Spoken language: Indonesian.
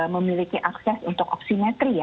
memiliki akses untuk oksimetri